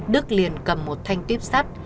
đức liền cầm một thanh tiếp sắt